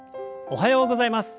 おはようございます。